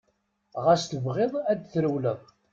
Ɣas tebɣiḍ ad trewleḍ.